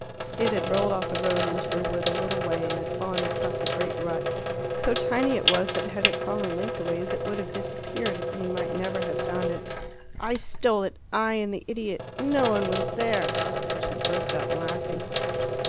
It had rolled off the road into the wood a little way, and had fallen across a great rut. So tiny it was that had it fallen lengthways it would have disappeared, and he might never have found it. "I stole it! I and the idiot no one was there." She burst out laughing.